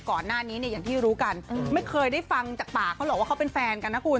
ก่อนหน้านี้เนี่ยอย่างที่รู้กันไม่เคยได้ฟังจากปากเขาหรอกว่าเขาเป็นแฟนกันนะคุณ